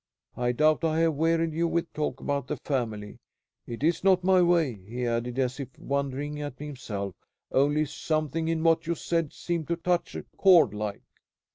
I doubt I have wearied you with talk about the family. It is not my way," he added, as if wondering at himself, "only something in what you said seemed to touch a chord like."